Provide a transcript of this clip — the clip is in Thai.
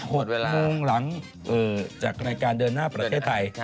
โมงหลังจากรายการเดินหน้าประเทศไทย